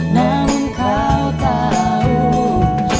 namun kau tahu